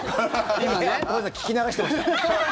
ごめんなさい聞き流してました。